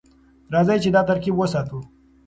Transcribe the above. راځئ چې دا ترکیب وساتو.